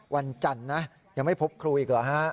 วันจันทร์นะยังไม่พบครูอีกเหรอฮะ